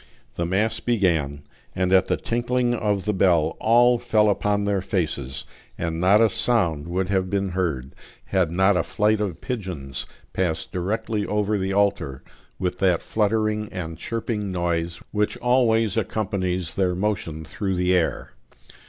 The mass began; and at the tinkling of the bell all fell upon their faces, and not a sound would have been heard, had not a flight of pigeons passed directly over the altar with that fluttering and chirping noise which always accompanies their motion through the air.